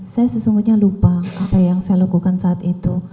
saya sesungguhnya lupa apa yang saya lakukan saat itu